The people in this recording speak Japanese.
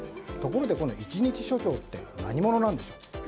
ところでこの一日署長って何者なんでしょう。